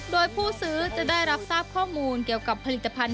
โดยผู้ซื้อจะได้รับทราบข้อมูลเกี่ยวกับผลิตภัณฑ